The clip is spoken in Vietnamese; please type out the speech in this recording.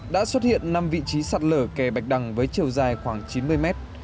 đã xuất hiện năm vị trí sạt lở kè bạch đằng với chiều dài khoảng chín mươi mét